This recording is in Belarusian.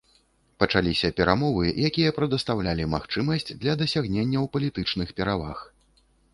Пачаліся перамовы, якія прадастаўлялі магчымасць для дасягненняў палітычных пераваг.